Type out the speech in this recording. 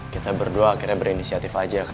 kita berdua akhirnya berinisiatif aja